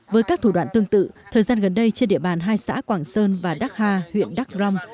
với các thủ đoạn tương tự thời gian gần đây trên địa bàn hai xã quảng sơn và đắc hà huyện đắc rông